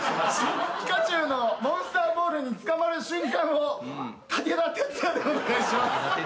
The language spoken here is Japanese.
ピカチュウのモンスターボールに捕まる瞬間を武田鉄矢でお願いします。